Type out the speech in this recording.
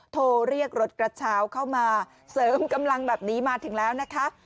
โทรเรียกรถกระเช้าเข้ามาเสริมกำลังแบบนี้มาถึงแล้วนะคะ